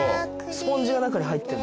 スポンジが中に入ってんだ。